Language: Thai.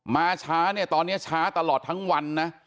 มาช้าตอนนี้ช้าตลอดทั้งวัน